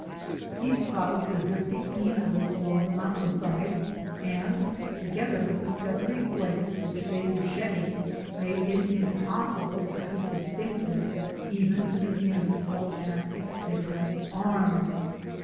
These clouds were drift ing easily along the mountainside and, together with the feathery flakes which they were shedding, made it impossible to see distinctly even to the end of an extended arm.